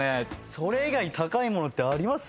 それ以外高いものあります？